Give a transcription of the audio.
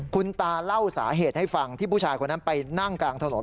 คุณตาเล่าสาเหตุให้ฟังที่ผู้ชายคนนั้นไปนั่งกลางถนน